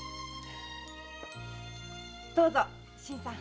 どうぞ新さん。